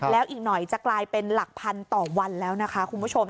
แล้วอีกหน่อยจะกลายเป็นหลักพันต่อวันแล้วนะคะคุณผู้ชม